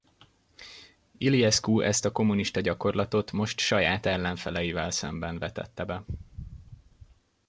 Iliescu ezt a kommunista gyakorlatot most saját ellenfeleivel szemben vetette be.